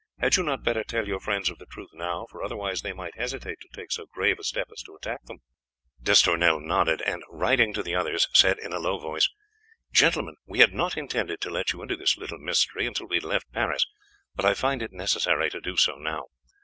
Had you not better tell your friends of the truth now, for otherwise they might hesitate to take so grave a step as to attack them?" D'Estournel nodded, and, riding to the others, said in a low voice: "Gentlemen, we had not intended to let you into this little mystery until we had left Paris, but I find it necessary to do so now.